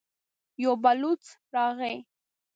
يو بلوڅ راغی.